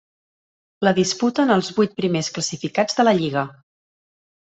La disputen els vuit primers classificats de la lliga.